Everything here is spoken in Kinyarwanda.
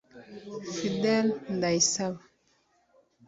Fidèle Ndayisaba